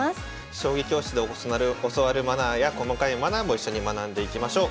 将棋教室で教わるマナーや細かいマナーも一緒に学んでいきましょう。